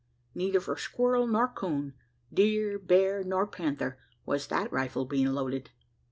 Neither for squirrel nor coon deer, bear, nor panther was that rifle being loaded!